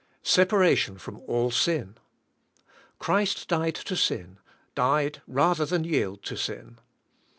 Separation from all sin. Christ died to sin; died rather than yield to sin.